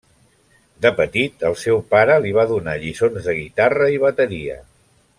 De petit el seu pare li va donar lliçons de guitarra i bateria.